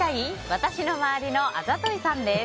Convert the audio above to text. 私の周りのあざといさんです。